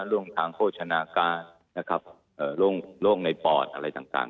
เรื่องทางโฆษณาการนะครับเอ่อโรคโรคในปอดอะไรต่างต่าง